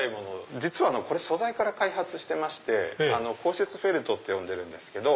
実は素材から開発してまして硬質フェルトって呼んでるんです。